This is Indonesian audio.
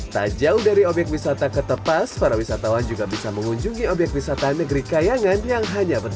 tak jauh dari obyek wisata ketepas para wisatawan juga bisa mengunjungi obyek wisata negeri kayangan yang hanya bertahan